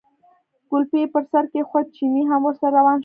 کولپۍ یې پر سر کېښوده، چيني هم ورسره روان شو.